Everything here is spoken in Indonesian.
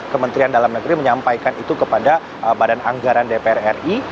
kementerian dalam negeri menyampaikan itu kepada badan anggaran dpr ri